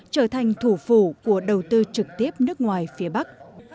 trở thành thủ phủ của đầu tư trực tiếp nước ngoài phía bắc